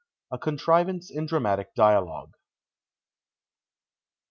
A CONTRIVANCE IN DRAMATIC DIALOGUE.